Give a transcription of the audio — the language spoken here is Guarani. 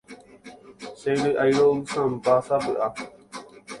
Chery'airo'ysãmbásapy'a.